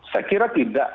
saya kira tidak